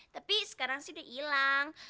tapi sekarang sih udah hilang